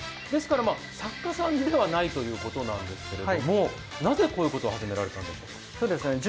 ですから作家さんではないということなんですけれども、なぜこういうことを始められたんですか？